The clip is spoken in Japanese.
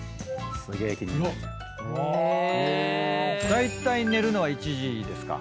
だいたい寝るのは１時ですか？